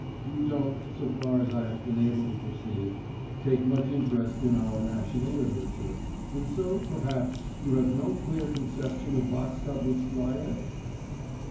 You don't, so far as I have been able to perceive, take much interest in our national literature, and so, perhaps, you have no clear conception of Vaska Buslaev?